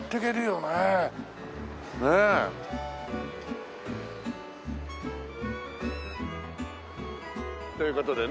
ねえ。という事でね。